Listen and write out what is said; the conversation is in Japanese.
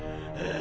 ⁉あ？